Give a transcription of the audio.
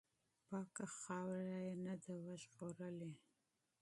پاکه خاوره یې نه ده وژغورلې.